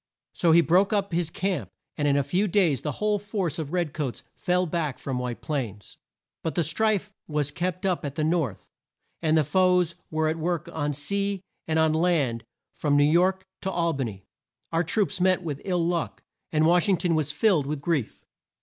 So he broke up his camp, and in a few days the whole force of red coats fell back from White Plains. But the strife was kept up at the North, and the foes were at work on sea and on land from New York to Al ba ny. Our troops met with ill luck, and Wash ing ton was filled with grief.